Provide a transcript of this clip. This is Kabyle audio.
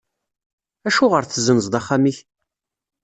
Acuɣer tezzenzeḍ axxam-ik?